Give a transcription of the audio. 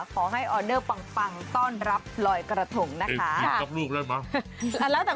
ขอให้ออเดอร์ปังต้อนรับลอยกระทงนะคะ